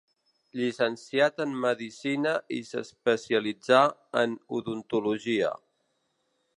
Llicenciat en medicina i s'especialitzà en odontologia.